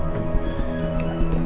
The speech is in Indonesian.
justru nggak di renovasi uang nih